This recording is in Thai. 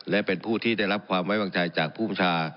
และเป็นผู้ที่ได้รับความไว้วางใจจากภูมิชา